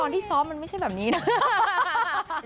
ที่ซ้อมมันไม่ใช่แบบนี้นะ